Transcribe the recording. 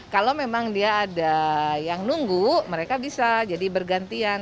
kalau memang dia ada yang nunggu mereka bisa jadi bergantian